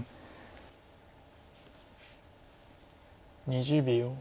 ２０秒。